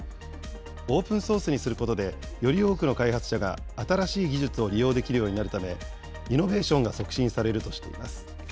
オープンソースにすることで、より多くの開発者が新しい技術を利用できるようになるため、イノベーションが促進されるとしています。